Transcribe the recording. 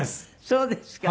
そうですか。